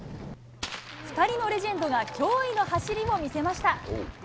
２人のレジェンドが驚異の走りを見せました。